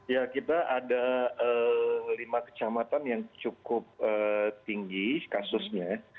ya kita ada lima kecamatan yang cukup tinggi kasusnya